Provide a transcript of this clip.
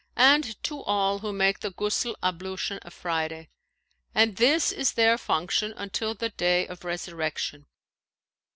and to all who make the Ghusl ablution of Friday; and this is their function until the Day of Resurrection.'